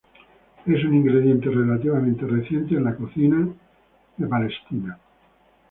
Es un ingrediente relativamente reciente en la cocina de Israel.